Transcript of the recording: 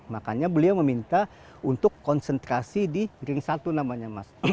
makanya beliau meminta untuk konsentrasi di ring satu namanya mas